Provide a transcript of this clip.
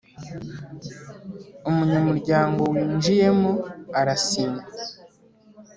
Umunyamuryango winjiyemo arasinya.